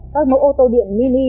các mẫu ô tô điện mini